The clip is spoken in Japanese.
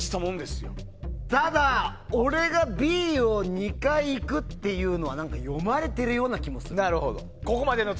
ただ、俺がＢを２回いくのは読まれてるような気もする。